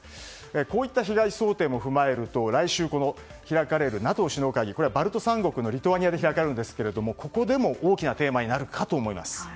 こういった被害想定も踏まえると来週開かれるＮＡＴＯ首脳会議がバルト三国のリトアニアで開かれるんですがここでも大きなテーマになるかと思います。